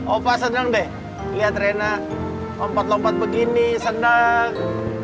ova senang deh lihat rena lompat lompat begini senang